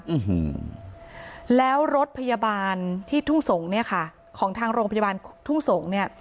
อืมแล้วรถพยาบาลที่ทุ่งสงศ์เนี่ยค่ะของทางโรงพยาบาลทุ่งสงศ์เนี่ย